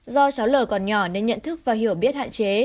do cháu lời còn nhỏ nên nhận thức và hiểu biết hạn chế